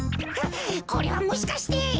これはもしかして！